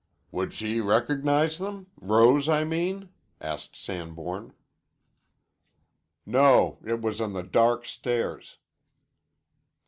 "Would she recognize them? Rose, I mean?" asked Sanborn. "No: it was on the dark stairs."